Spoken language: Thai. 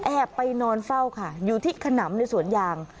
ไปนอนเฝ้าค่ะอยู่ที่ขนำในสวนยาง